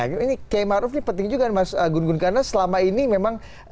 ini kiai maruf ini penting juga mas gun gun karena selama ini memang